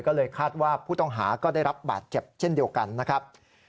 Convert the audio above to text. ก็เลยคาดว่าผู้ต้องหาก็ได้รับบาดเจ็บเช่นเดียวกันนะครับ